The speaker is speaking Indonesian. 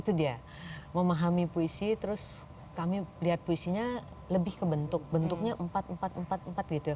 itu dia memahami puisi terus kami lihat puisinya lebih ke bentuk bentuknya empat empat empat gitu